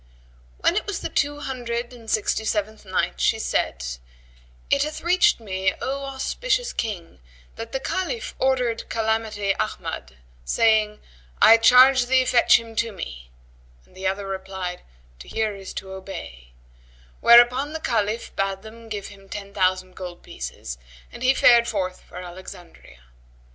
When it was the Two Hundred and Sixty seventh Night, She said, It hath reached me, O auspicious King, that the Caliph ordered Calamity Ahmad, saying, "I charge thee fetch him to me;" and the other replied, "To hear is to obey;" whereupon the Caliph bade them give him ten thousand gold pieces and he fared forth for Alexandria.